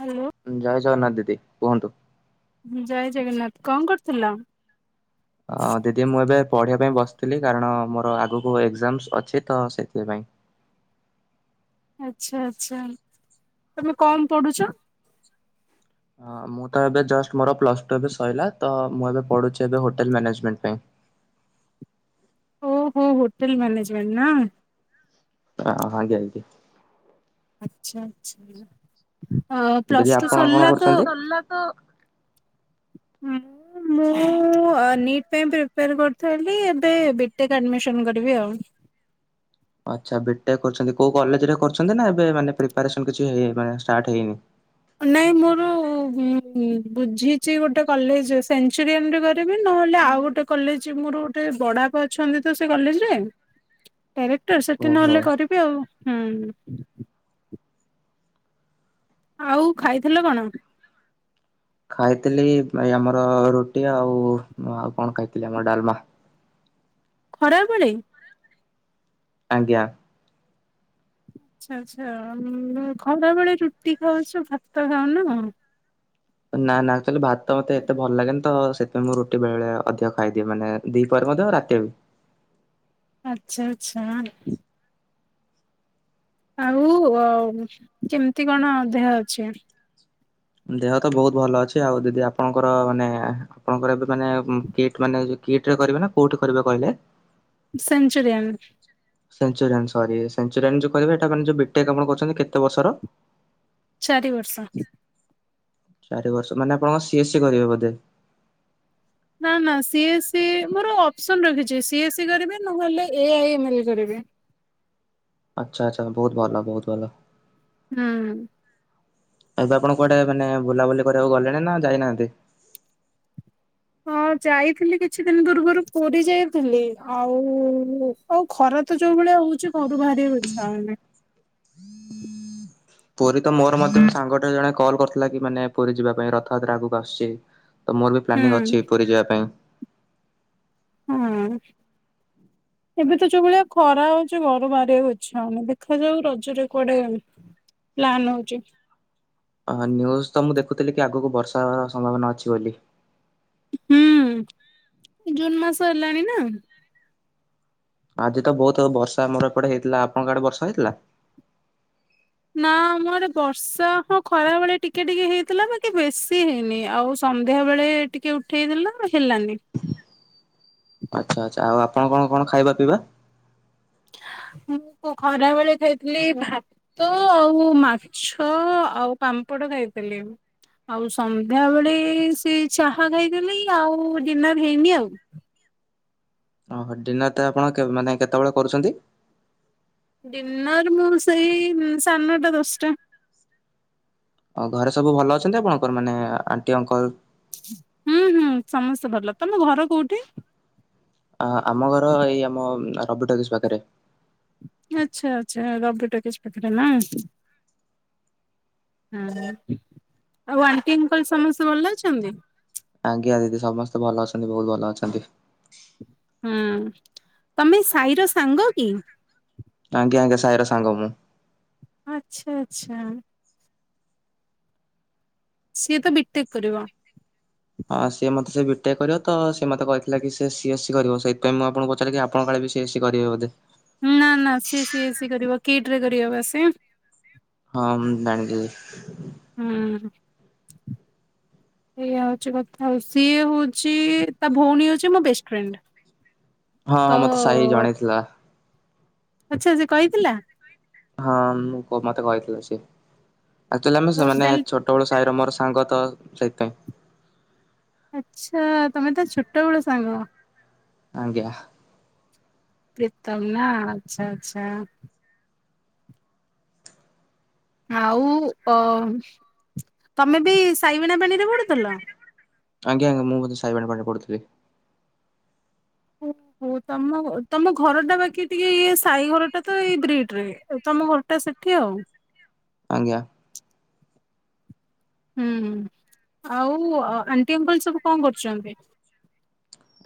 Hello ଜୟ ଜଗନ୍ନାଥ ଦି। ଦି କୁହନ୍ତୁ? ଜୟ ଜଗନ୍ନାଥ, କଣ କରୁଥିଲ? ଅ ଦିଦି, ମୁଁ ଏବେ ପଢ଼ିବା ପାଇଁ ବସିଥିଲି, କାରଣ ମୋର ଆଗକୁ ଏକ୍ଜାମସ୍ ଅଛି, ତ ସେଥିପାଇଁ। ଆଚ୍ଛା, ଆଚ୍ଛା ତମେ କଣ ପଡୁଛ? ଅ ମୁଁ, ତ ଏବେ ଯଷ୍ଟ ମୋର ପ୍ଲସ ଟୁ ଏବେ ସଇଲା, ତ ମୁଁ ଏବେ ପଢ଼ୁଛି, ଏବେ ହୋଟେଲ ମ୍ୟାନେଜମେଣ୍ଟ ପାଇଁ। ଓହୋ, ହୋଟେଲ ମ୍ୟାନେଜମେଣ୍ଟ ନା। ହଁ, ଆଜ୍ଞା ଦିଦି। ଆଚ୍ଛା, ଆଚ୍ଛା। ଅ ଦିଦି ପ୍ଲସ୍ ଟୁ ଆପଣ କଣ ସରିଲା ତ କରୁଛନ୍ତି? ମୁଁ ଅ ନିଟ୍ ପାଇଁ ପ୍ରିପେୟାର କରିୁଥିଲି, ଏବେ ବିଟେକ୍ ଆଡ଼ମିସନ କରିବି ଆଉ। ଆଛା ବିଟେକ୍ କରୁଛନ୍ତି, କୋଉ କଲେଜରେ କରଛନ୍ତି, ନା ଏବେ ମାନେ ପ୍ରିପାରେସନ କିଛି ହେଇ, ଷ୍ଟାଟ ହେଇନି। ନାଇଁ ମୋର ବୁଝିଛି, ଗୋଟେ କଲେଜ ସେଞ୍ଚରିଆନରେ କରିବି, ନହେଲେ ଆଉ ଗୋଟେ କଲେଜ ମୋର ଗୋଟେ ବଡାପ ଅଛନ୍ତି, ତ ସେ କଲେଜରେ କ୍ୟାରେକ୍ଟର ସେଠି ଓହୋ। ନହେଲେ କରିବି, ଆଉ। ହୁଁ। ଆଉ ଖାଇଥିଲ କଣ? ଖାଇଥିଲି ଏ ଆମର ରୁଟି ଆଉ, ଆଉ କଣ ଖାଇଥିଲି, ଆମର ଡାଲମା। ଖରାବେଳେ ଆଜ୍ଞା। ଆଚ୍ଛା ଆଚ୍ଛା ଉଁ ଖରାବେଳେ ରୁଟି ଖାଉଛ, ଭାତ ଖାଉନ? ନା ନା ତାହଲେ ଭାତ ତ ମତେ ଏତେ ଭଲ ଲାଗେନି ତ ସେଥିପାଇଁ ମୁଁ ରୁଟି ବେଳେ ବେଳେ ଅଧିକ ଖାଇଦିଏ ମାନେ ଦି ପରେ ମଧ୍ୟ ରାତିରେ ବି- ଆଚ୍ଛା ଆଚ୍ଛା ଆଉ କେମିତି କଣ ଦେହ ଅଛି- ଦେହ ତ ବହୁତ ଭଲ ଅଛି ଆଉ ଦିଦି ଆପଣଙ୍କର ମାନେ ଆପଣଙ୍କର ଏବେ- ମାନେ ଗେଟ ମାନେ- କିଟରେ କରିବେ ନା କୋଉଠି କରିବେ କହିଲେ- ସେନଞ୍ଚୁରିମ୍- ସେଞ୍ଚୁରିଆ ସରି ସେଞ୍ଚୁରିଆ ଯୋଉ କହିବେଇଟା ମାନେ ଯଉ ବିଟେକ୍ ଆପଣ କହୁଛନ୍ତି କେତେ ବର୍ଷର- ଚାରି ବର୍ଷ। ଚାରି ବର୍ଷ ମାନେ ଆପଣଙ୍କ ସିଏସ୍ ସ କରିବେ ବୋଧେ- ନା ନା ସିଏସ୍ ସ ମୋର ଅପସନ ରଖିଛି ସି ଏସ୍ ସ କରିବେ ନହେଲେ ଏଇ କରିବେ- ଆଚ୍ଛା ଆଚ୍ଛା ବହୁତ ଭଲ ବହୁତ ଭଲ- ହୁଁ। ଏବେ ଆପଣ କୁଆଡେ ମାନେ ବୁଲାବୁଲି କରିବାକୁ ଗଲେଣି ନା ଯାଇନାହାନ୍ତି- ହଁ ଯାଇଥିଲି କିଛି ଦିନ ପୂର୍ବରୁ ପୁରୀ ଯାଇଥିଲି ଆଉ ଆଉ ଖରା ତ ଯୋଉ ଭଳିଆ ହଉଛି ଘରୁ ବାହାରି ଅଇଛ ଆଉନି- ପୁରୀ ତ ମୋର ମଧ୍ୟ ସାଙ୍ଗଟେ ଜଣେ କଲ୍ କରିଥିଲା କି ମାନେ ପୁରୀ ଯିବା ପାଇଁ ରଥଯାତ୍ରା ଆଗକୁ ଆସୁଛି- ତ ମୋର ବି ହୁଁ ପ୍ଲାନିଂ ଅଛି ପୁରୀ ଯିବା ପାଇଁ- ହଁ ଏବେ ତ ଯୋଉ ଭଳିଆ ଖରା ହଉଛି ଘରୁ ବାହାରିବାକୁ ଇଛା ହଉନି ଦେଖାଯାଉ ରଜରେ କୁଆଡେ ପ୍ଲାନ୍ ହଉଛି- ନ୍ୟୁଜ ତ ମୁଁ ଦେଖୁଥିଲି କି ଆଗକୁ ବର୍ଷା ହେବାର ସମ୍ଭାବନା ଅଛି ବୋଲି- ହୁଁ ଜୁନ୍ ମାସ ହେଲାଣି ନା- ଆଜି ତ ବହୁତ ବର୍ଷା ଆମର ଏପଟେ ହେଇଥିଲା ଆପଣଙ୍କ କାଆଡେ ବର୍ଷା ହେଇଥିଲା- ନା ମୋର ବର୍ଷା ହଁ ଖରା ବେଳେ ଟିକେ ଟିକେ ହେଇଥିଲା ବାକ ବେଶୀ ହେଇନି ଆଉ ସନ୍ଧ୍ୟା ବେଳେ ଟିକେ ଉଠେଇଥିଲା- ହେଲାନି। କଣ କଣ କଣ ଖାଇବା ପିଇବା- ମୁଁ ଖରାବେଳେ ଖାଇଥିଲି ଭାତ ଆଉ ମାଛ ଆଉ ପାମ୍ପଡ଼ ଖାଇଥିଲି ଆଉ ସନ୍ଧ୍ୟାବେଳେ ସେ ଚାହା ଖାଇଥିଲି ଆଉ ଡିନର୍ ହେଇନି ଆଉ- ଓହୋ ଡିନର ତ ଆପଣ ମାନେ କେତେବେଳେ କରୁଛନ୍ତି- ଡିନର୍ ମୁଁ ସେଇ ସାଢେ ନଟା ଦଶଟା- ଓ ଘରେ ସବୁ ଭଲ ଅଛନ୍ତି ଆପଣଙ୍କର ମାନେ ଆଣ୍ଟି ଅଙ୍କଲ- ହୁଁ ହୁଁ ସମସ୍ତେ ଭଲ ତମ ଘର କୋଉଠି- ଆ ଆମ ଘର ଏଇ ଆମ ରବି ଟକିଜ ପାଖରେ- ଆଛା ଆଚ୍ଛା ରବି ଟକିଜ ପାଖରେ ନା ଆଉ ଆଣ୍ଟି ସମସ୍ତେ ଭଲ ଅଛନ୍ତି- ଆଜ୍ଞା ଦିଦି ସମସ୍ତେ ଭଲ ଅଛନ୍ତି ବହୁତ ଭଲ ଅଛନ୍ତି- ହୁଁ ତମେ ସାହିର ସାଙ୍ଗ କି- ଆଜ୍ଞା ଆଜ୍ଞା ସାହିର ସାଙ୍ଗ ମୁଁ- ଆଛା ଆଛା। ସିଏ ତ ବିଟେକ୍ କରିବ- ହଁ ସିଏ ମତେ ସେ ବିଏ କରିବ ତ ସ ସେ ମତେ କହିଥିଲା କି ସେ ସିଏସ୍ ସି କରିବ ସେଥିପାଇଁ ମୁଁ ଆପଣଙ୍କୁ ପଚାରିଲି ଆପଙ୍କ କାଳେ ବି ସିଏସ୍ ସି କରିବ ବୋଧେ- ନା ନା ସି ଏ ସି କରିବ କିଟ ରେ କରିବ ବା ସେ ହଁ ଜାଣିଲି ଏବେ ହୁଁ ଏଇଆ ହଉଛି କଥା ଆଉ ସିଏ ହଉଛି ତା ଭଉଣୀ ହଉଛି ମୋ ବେଷ୍ଟ ଫ୍ରେଣ୍ଡ- ହଁ ହଁ ମତେ ସାହି ଜଣେଇଥିଲା- ଆଛା ସେ କହିଥିଲା- ହଁ ମୁଁ ମତେ କହିଥିଲ ସେ। ଆକ୍ଚୁଲି ଆମେ ଓ ସେମାନେ ତାହେଲେ ଛୋଟବେଳୁ। ସାଇର ମୋର ସାଙ୍ଗ ତ ସେଇଥିପାଇଁ। ଆଚ୍ଛା ତମେ ତା ଛୋଟବେଳୁ ସାଙ୍ଗ। ଆଜ୍ଞା। ପ୍ରିତମ ନା ଆଚ୍ଛା ଆଚ୍ଛା। ଆଉ ଅ ତମେ ବି ସାଇ ବେଣା ପାଣିରେ ପଡୁଥିଲ। ଆଜ୍ଞା ଆଜ୍ଞା ମୁଁ ବୋଧେ ସାଇ [unintelligible] ପାଠ ପଢିଥିଲି। ଓ ହୋ ତମ ତମ ଘରଟା ବାକି ଟିକେ ଇଏସ ସାଇଘର ଟା ତ ଏଇ ବ୍ରିଡ ରେ। ତମ ଘରଟା ସେଠି ଆଉ। ଆଜ୍ଞା। ହୁଁ ଆଉ ଆଣ୍ଟି ଅଙ୍କଲ ସବୁ କଣ କରୁଛନ୍ତି?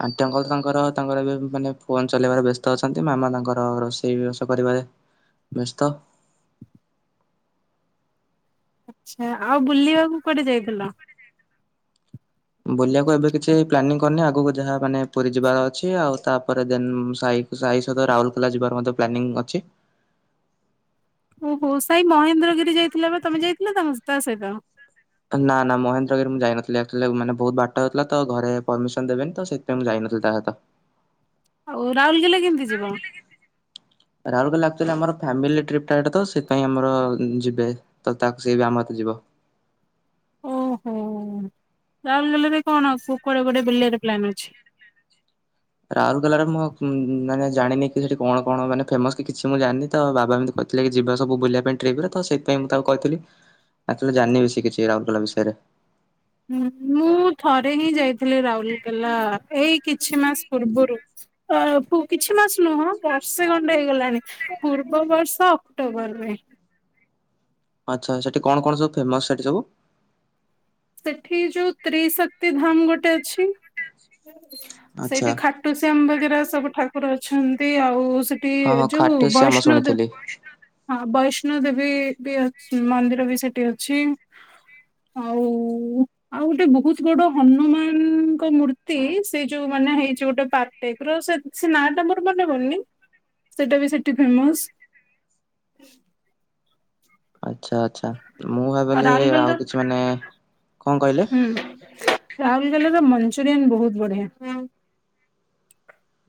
ଆଣ୍ଟି ଅଙ୍କଲ ତାଙ୍କର ତାଙ୍କର ଏବେ ମାନେ ଫୋନ୍ ଚଲେଇବାରେ ବ୍ୟସ୍ତ ଅଛନ୍ତି ମାମା ତାଙ୍କର ରୋଷେଇ ବାସ କରିବାରେ ବ୍ୟସ୍ତ। ଆଚ୍ଛା ଆଉ ବୁଲିବାକୁ କୁଆଡେ ଯାଇଥିଲ? ବୁଲିବାକୁ ଏବେ କିଛି ପ୍ଲାନିଂ କରିନି ଆଗକୁ ଯାହା ମାନେ ପୁରୀ ଯିବାର ଅଛି ଆଉ ତାପରେ ଦେନ୍ ସାଇ ସାଇ ସହିତ ରାଉରକେଲା ଯିବାର ମଧ୍ୟ ପ୍ଲାନିଂ ଅଛି। ଓହୋ ସାଇ ମହେନ୍ଦ୍ରଗିରି ଯାଇଥିଲା ବା ତମେ ଯାଇ [unintelligible] ତମେ ତା ସହିତ। ନା ନା ମହେନ୍ଦ୍ରଗିରି ମୁଁ ଯାଇନଥିଲି ଆକଚୁଆଲି ମାନେ ବହୁତ ବାଟ ହେଉଥିଲା ତ ଘରେ ପରମିସନ ଦେବିନି ତ ସେଥିପାଇଁ ମୁଁ ଯାଇନଥିଲ ତା ସହିତ। ଆଉ ରାଉଲକେଲା କେମିତି ଯିବ? ରାଉଲକେଲା ଆକଚୁଆଲି ଆମର ଫ୍ଯାମିଲ ଟ୍ରିପ ଏଟା ତ ସେଇଥିପାଇଁ ଆମର ଯିବେ ତ ତାକୁ ସେ ବି ଆମ ସହିତ ଯିବ। ଓହୋ ରାଉରକେଲାରେ କଣ କୁଆଡେ ଗୋଟେ ବିଲିବାରେ ପ୍ଲାନିଂ ଅଛି? ରାଉରକେଲାରେ ମୁଁ ମାନେ ଜାଣିନି କି ସେଠି କଣ କଣ ମାନେ ଫେମସ୍ କି କିଛି ମୁଁ ଜାଣିନି ତ ବାବା ଏମିତି କହିଥିଲେ କି ଯିବା ସବୁ ବୁଲିବା ପାଇଁ ଟ୍ରିପରେ ତ ସେଇଥିପାଇଁ ମୁଁ ତାକୁ କହିଥିଲି ଆକ୍ଚୁଆଲି ଜାଣିନି ସେ କିଛି ରାଉରକେଲା ବିଷୟରେ। ମୁଁ ଥରେ ହିଁ ଯାଇଥିଲି ରାଉରକେଲା ଏଇ କିଛି ମାସ ପୂର୍ବରୁ କିଛି ଆ ମାସ ନୁହଁ ବର୍ଷେ ଖଣ୍ଡେ ହେଇଗଲାଣି ପୂର୍ବ ବର୍ଷ ଅକ୍ଟୋବରରେ। ଆଚ୍ଛା ଆଚ୍ଛା ସେଠି କଣ କଣ ସବୁ ଫେମସ ସେଠି ସବୁ। ସେଠି ଯୋଉ ତ୍ରିଶକ୍ତି ଧାମ ଗୋଟେ ଅଛି। ଆଚ୍ଛା ସେଇଠି ଖାଟୁସ୍ଯାମ ବଗେରା ସବୁ ଠାକୁ ଠାକୁର ଅଛନ୍ତି ଆଉ ସେଠି ହଁ ହଁ ଯୋଉ ଖାଟୁ ଶ୍ୟାମ ବୈଷ୍ଣବ ଦେବୀ ଶୁଣିଥିଲି। ବୈଷ୍ଣ ବୈଷ୍ଣବ ଦେବୀ ବି ମନ୍ଦିର ବି ସେଠି ଅଛି ଆଉ ଆଉ ଗୋଟେ ବହୁତ ବଡ ହନୁମାନଙ୍କ ମୂର୍ତ୍ତି ସେ ଯୋଉ ମାନେ ହେଇଛି ଗୋଟେ ପାଟ୍ ଟାଇପର ସେ ସେ ନାଁଟା ମୋର ମନେପଡୁନି ସେଟା ବି ସେଠି ଫେମସ। ଆଚ୍ଛା ଆଚ୍ଛା ମୁଁ ଆଉ ଭାବିଲି ରାଉରକେଲାର ଆଉ କିଛି ମାନେ କଣ କହିଲେ? ରାଉଲକେଲାର ମଞ୍ଚୁରିଆନ ବହୁତ ବଢିଆ।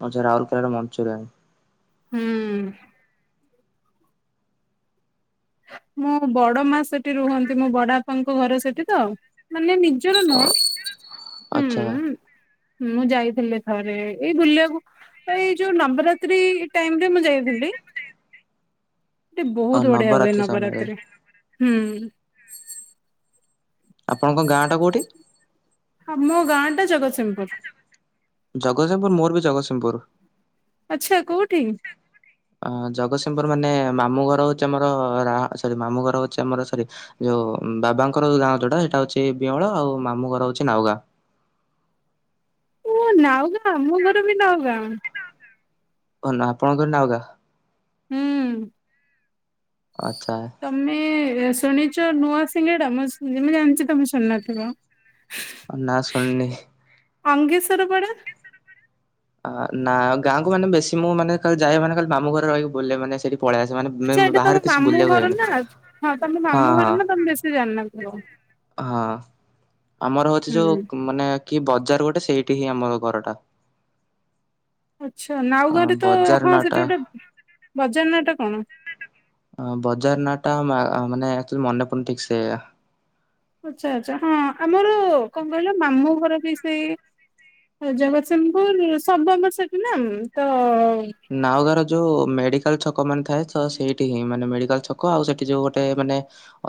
ଆଚ୍ଛା ରାଉଲକେଲାର ମଞ୍ଚୁରିଆନ। ହୁଁ। ମୁଁ ବଡ ମା ସେଠି ରୁହନ୍ତି ମୋ ବଡ ବାପା ଙ୍କ ଘର ସେଠି ତ ମାନେ ନି ନିଜର ନୁହଁ ଆଚ୍ଛା ହୁଁ। ମୁଁ ଯାଇଥିଲି ଥରେ ଏଇ ବୁଲିବାକୁ ଏଇ ଯୋଉ ନବରାତ୍ରି ଟାଇମରେ ମୁଁ ଯାଇଥିଲି। ସେଟି ବହୁତ ବଢି ଢିଆ ହୁଏ ନବରାତ୍ରି ସମୟରେ ନବରାତ୍ରିରେ ହୁଁ ଉଁ। ଆପଣଙ୍କ ଗାଁଆଟା କୋଉଠି? ହ ମୋ ଗାଁଆଟା ଜଗତସିଂହପୁର। ଜଗତସିଂହପୁର ମୋର ବି ଜଗତସିଂହପୁର। ଆଚ୍ଛା କୋଉଠି? ଅଁ ଜଗତସିଂହପୁର ମାନେ ମାମୁଁ ଘର ହଉଛି ଆମର ରାହା ସରି ମାମୁଁ ଘର ହଉଛି ଆମର ସରି ଯୋଉ ବାବାଙ୍କର ଯୋଉ ଗାଁ ଯୋଟା ସେଇଟା ହଉଛି ବିଅଁଳା ଆଉ ମାମୁଁ ଘର ହଉଛି ନାଉଗାଁ। ଓ ନାଉଗାଁ ଆମ ଘର ବି ନାଉଗାଁ। ହନା ଆପଣଙ୍କର ନାଉଗାଁ। ହୁଁ। ଆଚ୍ଛା ତମେ ଏ ଶୁଣିଛ ନୂଆ ସିଙ୍ଗେଡା ମୁଁ ମୁଁ ଜାଣିଛି ତମେ ଶୁଣି ନଥିବ। ନାଁଆ ଶୁଣିନି। ଅଙ୍ଗେଶରପଡା? ନାଁ ଗାଆଁକୁ ମାନେ ବେଶୀ ମୁଁ ମାନେ ଯାଏ ଖାଲି ମାମୁଁ ଘରେ ରହିକି ବୁଲେ ମାନେ ସେଇଠି ଆଚ୍ଛା ଏଇଟା ତମ ମାମୁଁ ଘର ନା ହଁ ତମ ମାମୁଁ ଘର ନା ତମେ ବେଶୀ ଜାଣିନଥିବ। ହଁ। ଆମର ଅଛି ହୁଁ। ଯୋଉକ୍ ମାନେ କି ବଜାର ଗୋଟେ ସେଇଠି ହିଁ ଆମ ଘରଟା। ଆଚ୍ଛା, ଅ ନାଉଗାଁରେ ତ ବଜାର ହଁ ସେଠି ନାଁଟା ଗୋଟେ ବଜାର ନାଁଟା କଣ? ଆଁ ବଜାର ନାଁଟା ମା ମାନେ ଆକ୍ଚୁଆଲି ମନେ ପଡୁନି ଠିକସେ ଆଚ୍ଛା ଆଚ୍ଛା, ହଁ ଆମର କଣ କହିଲ ମାମୁଁ ଘର ବି ସେଇ ଜଗତସିଂହପୁର ସବୁ ଆମର ସେଠିନା ତ ନାଉଗାଁ ର ଯୋଉ ମେଡି କାଲ୍ ଛକ ମାନେ ଥାଏ ତ ସେଇଠି ହିଁ ମାନେ ମେଡିକାଲ୍ ଛକ ଆଉ ସେଇଠି ଯୋଉ ଗୋଟେ ମାନେ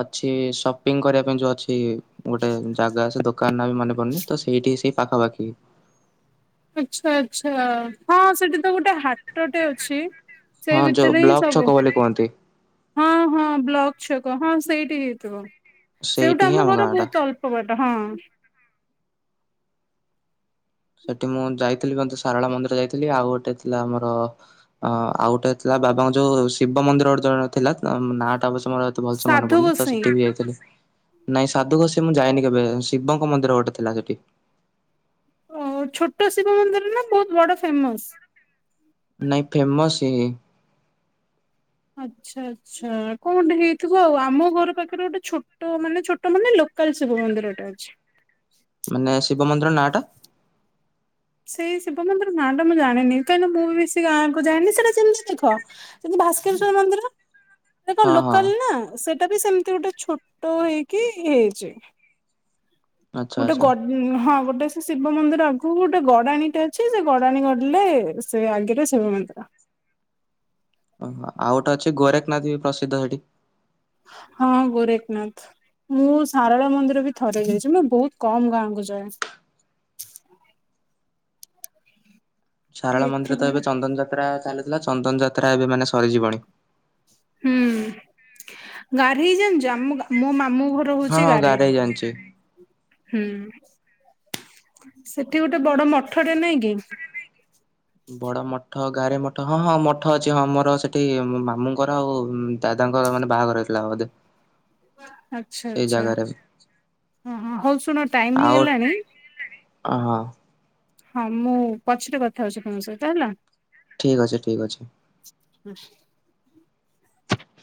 ଅଛି ସପିଙ୍ଗ୍ କରିବା ପାଇଁ ଯୋଉ ଅଛି ଗୋଟେ ଜାଗା ସେ ଦୋ କାନ୍ ନା ମନେ ପଡୁନି ତ ସେଇଠି ସେଇ ପାଖାପାଖି। ଆଚ୍ଛା ଆଚ୍ଛା, ହଁ ସେଠି ତ ଗୋଟ୍ ଗୋଟେ ହାଟଟେ ଅଛି ସେଇ ହଁ ଯୋଉ ଭିତରେ ହିଁ ବ୍ଲକ ସବୁ ଛକ ବୋଲି କୁହନ୍ତି। ହଁ ହଁ ବ୍ଲକ୍ ଛକ ହଁ ସେଇଠି ହେଇଥିବ। ସେଇଠି ସେଉଠୁ ହିଁ ଆମ ଗାଁ ଘର ଟା ବହୁତ ଅଳ୍ପ ଵାଟ୍ ହଁ। ସେଠି ମୁଁ ଯାଇଥିଲି ମତେ ସାରଳା ମନ୍ଦିର ଯାଇଥିଲି ଆଉ ଗୋଟେ ଥିଲା ଆମର ଅ ଆଉ ଗୋଟେ ଥିଲା ବାବାଙ୍କ ଯୋଉ ଶିବ ମନ୍ଦିର ଗୋଟେ ଜଣେ ଥିଲା ନାଁଆଟା ଅବଶ୍ୟ‌ ମୋର ଏ ତେ ଭଲସେ ମନେ ସାଧୁ ପଡୁନି ତ ଗୋସାଇଁ। ସେଠି ବି ଯାଇଥିଲି। ନାଇଁ ସାଧୁ ଗୋସେଇଁ ମୁଁ ଯାଇନି କେବେ ଶିବଙ୍କ ମନ୍ଦିର ଗୋଟେ ଥିଲା ସେଠି। ଓ ଛୋଟ ଶିବ ମନ୍ଦିର ନା ବହୁତ ବଡ ଫେମସ୍? ନାଇଁ ଫେମସ ହିଁ। ଆଚ୍ଛା ଆଚ୍ଛା, କଣଗୋଟେ ହେଇଥିବ ଆଉ ଆମ ଘର ପାଖରେ ଗୋଟେ ଛୋଟ ମାନେ ଛୋଟ ମାନେ ଲୋକାଲ୍ ଶିବ ମନ୍ଦିରଟେ ଅଛି। ମାନେ ଶିବ ମନ୍ଦିର ନାଁଆଟା? ସେଇ ଶିବ ମନ୍ଦିର ନାଁଆଟା ମୁଁ ଜାଣିନି କାହିଁକିନା ମୁଁ ବି ବେଶୀ ଗାଁକୁ ଯାଏନି ସେଟା ଯେମିତି ଦେଖ ଯେମିତି ଭାସ୍କରେଶ୍ୱର ମନ୍ଦିର? ସେ ହଁ କଣ ହଁ ଲୋକାଲ ନା ସେ ସେଟା ବି ସେମିତି ଗୋଟେ ଛୋଟ ହେଇକି ହେଇଛି। ଆଚ୍ଛା ଗୋଟେ ଆଚ୍ଛା ଗ ହଁ ଗୋଟ ଗୋଟ ସେ ଶିବ ମନ୍ଦିର ଆଗକୁ ଗୋଟେ ଗଡାଣୀଟା ଅଛି ସେ ଗଡାଣି ଗଡିଲେ ସେ ଆଗରେ ଶିବ ମନ୍ଦିର। ଓହୋ ଆଉ ଗୋଟେ ଅଛି ଗୋରେଖନାଥ ବି ପ୍ରସିଦ୍ଧ ସେଠି। ହଁ ଗୋରେଖନାଥ ମୁଁ ସାରଳା ମନ୍ଦିର ବି ଥରେ ଯାଇଛି ମୁଁ ବହୁତ କମ ଗାଁ କୁ ଯାଏ ଶାରଳା ମନ୍ଦିର ତ ଏଥିପାଇଁ ଏବେ ଚନ୍ଦନ ଯାତ୍ରା ଚାଲି ଲା ଚନ୍ଦନ ଜାତ ଯାତ୍ରା ଏବେ ମାନେ ସରିଯିବନି ଗାରେ ହେଇ ଜାଣିଛ ମୋ ମାମୁ ହଁ ହଁ ଗାଁରେ ହି ଜାଣିଛି ହୁଁ ସେଠି ଗୋଟେ ବଡ ମଠଟା ନାଇଁ କି ବଡ ମଠ ଗାଁରେ ମଠ ହଁ ହଁ ମଠ ଅଛି ହଁ ମୋର ସେଠି ମାମୁଙ୍କର ଆଉ ଦାଦାଙ୍କର ମାନେ ବାହାଘର ହେଇଥିଲାଉ ବୋଧେ ଆଛା ସେଇ ଆଛା ଜାଗାରେ ହଁ ହଁ ହଉ ଶୁଣ ଟାଇମ ହେଇଗଲାଣି ଓହୋ ହଁ ମୁଁ ପଛରେ କଥା ହଉଛି ତମ ସହିତ ହେଲା ଠିକ ଅଛ ଠିକ ଅଛ ଠିକ୍ ଅଛି